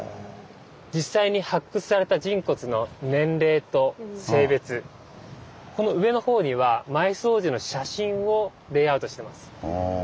実際に発掘された人骨の年齢と性別この上のほうには埋葬時の写真をレイアウトしてます。